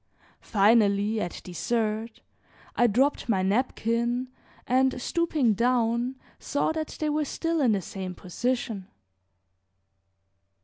Finally, at dessert, I dropped my napkin, and stooping down saw that they were still in the same position.